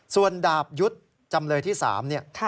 ส่วนดาบยุทธ์จำเลยที่๓เนี่ย